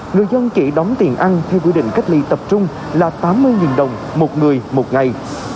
người dân chỉ đóng tiền ăn theo quy định cách ly tập trung là tám mươi đồng một người một ngày